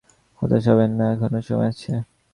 হতাশ হবেন না, এখনো সময় আছে।